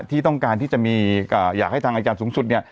ที่ต้องการที่จะมีอยากให้ทางอายการสูงสุดเนี่ย